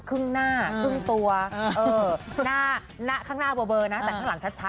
ขึ้นหน้าโอ้ยหน้าก็เบลอนะแต่ข้างหลังชัดเลยนะ